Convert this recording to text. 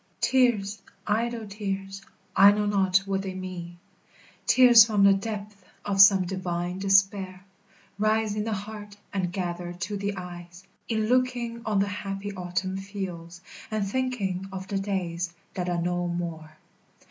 Tears, idle tears, I know not what they mean, Tears from the depth of some divine despair Rise in the heart, and gather to the eyes, In looking on the happy autumn fields, And thinking of the days that are no more.